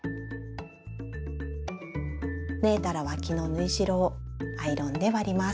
縫えたらわきの縫い代をアイロンで割ります。